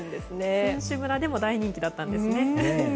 選手村でも大人気だったんですね。